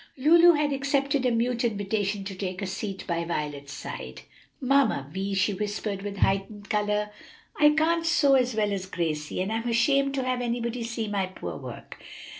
Lulu had accepted a mute invitation to take a seat by Violet's side. "Mamma Vi," she whispered with heightened color, "I can't sew as well as Gracie, and I'm ashamed to have anybody see my poor work."